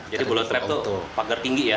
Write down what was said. jadi bullet trap itu pagar tinggi ya